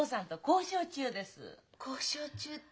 交渉中？